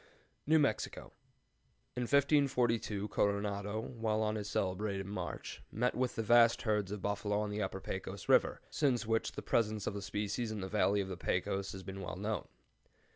NEW MEXICO. In 1542 Coronado, while on his celebrated march, met with vast herds of buffalo on the Upper Pecos River, since which the presence of the species in the valley of the Pecos has been well known.